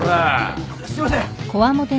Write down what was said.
すいません！